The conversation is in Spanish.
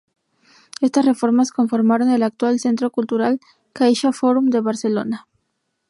Estas reformas conformaron el actual centro cultural CaixaForum de Barcelona.